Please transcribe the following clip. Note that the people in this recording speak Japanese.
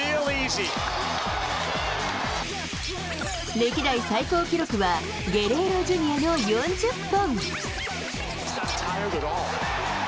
歴代最高記録は、ゲレーロＪｒ．の４０本。